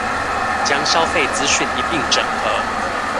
將消費資訊一併整合